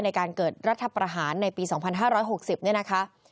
ในการเกิดรัฐประหารในปี๒๕๖๐เนี่ยนะคะ